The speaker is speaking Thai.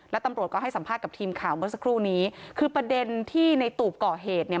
แล้วตำรวจก็ให้สัมภาษณ์กับทีมข่าวเมื่อสักครู่นี้คือประเด็นที่ในตูบก่อเหตุเนี่ย